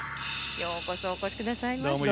ようこそお越しくださいました。